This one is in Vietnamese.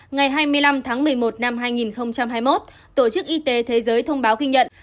ngày hai mươi năm tháng một mươi một năm hai nghìn hai mươi một tổ chức y tế thế giới thông báo ghi nhận